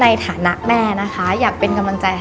ในฐานะตอนนี้แพทย์รับสองตำแหน่งแล้วนะคะ